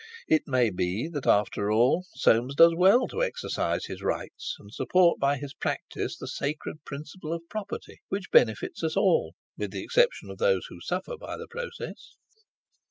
It may be that after all Soames does well to exercise his rights and support by his practice the sacred principle of property which benefits us all, with the exception of those who suffer by the process."